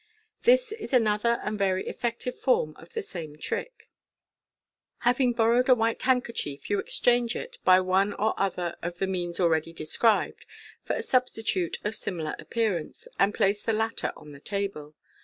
This is another and very effective form of the same t*ick. Having borrowed a white handkerchief, you exchange it, by one or other of the means already described, for a substitute of similar appearance, and place the latter on the table.